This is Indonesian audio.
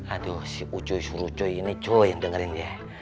aduh si ucuy surucuy ini cuy yang dengerin dia